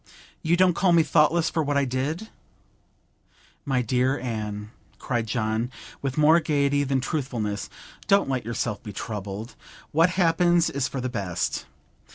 You don't call me thoughtless for what I did?' 'My dear Anne,' cried John, with more gaiety than truthfulness, 'don't let yourself be troubled! What happens is for the best.